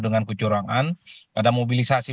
dengan kecurangan ada mobilisasi